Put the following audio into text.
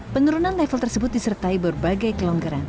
penurunan level tersebut disertai berbagai kelonggaran